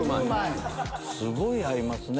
すごい合いますね